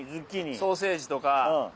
ソーセージとか。